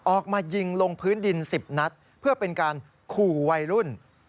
ออกมายิงลงพื้นดิน๑๐นัดเพื่อเป็นการขู่วัยรุ่น